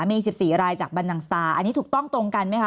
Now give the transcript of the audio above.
มี๑๔รายจากบันนังสตาร์อันนี้ถูกต้องตรงกันไหมคะ